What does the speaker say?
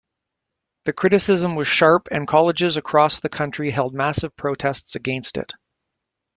The criticism was sharp and colleges across the country held massive protests against it.